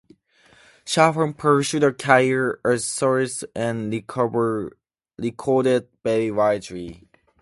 Shafran pursued a career as soloist and recorded very widely.